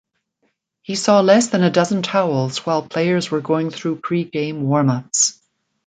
He saw less than a dozen towels while players were going through pre-game warm-ups.